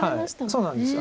そうなんです。